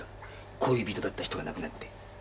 恋人だった人が亡くなって。